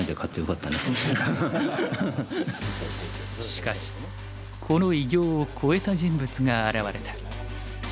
しかしこの偉業を超えた人物が現れた。